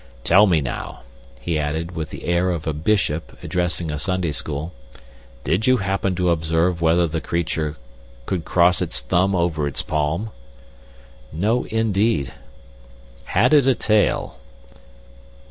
"Tell me, now," he added, with the air of a bishop addressing a Sunday school, "did you happen to observe whether the creature could cross its thumb over its palm?" "No, indeed." "Had it a tail?"